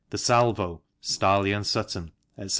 the Salvo (Starley & Sutton), etc.